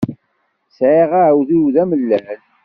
Sεiɣ aεudiw d amellal.